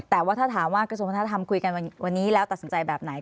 แต่ว่าถ้าถามว่ากระทรวงวัฒนธรรมคุยกันวันนี้แล้วตัดสินใจแบบไหน